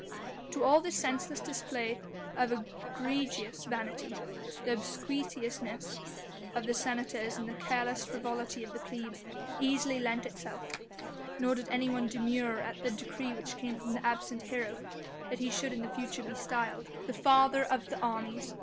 To all this senseless display of egregious vanity the obsequiousness of the senators and the careless frivolity of the plebs easily lent itself; nor did anyone demur at the decree which came from the absent hero, that he should in future be styled: "The Father of the Armies!